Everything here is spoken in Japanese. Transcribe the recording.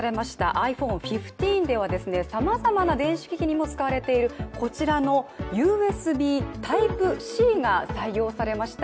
ｉＰｈｏｎｅ１５ですがさまざまな電子機器にも使われている、こちらのＵＳＢＴｙｐｅ−Ｃが採用されました。